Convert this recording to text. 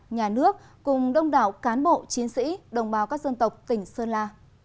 nhà nước cùng đông đảo cán bộ chiến sĩ đồng bào các dân tộc tỉnh sơn la